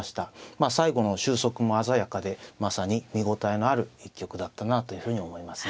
まあ最後の収束も鮮やかでまさに見応えのある一局だったなというふうに思いますね。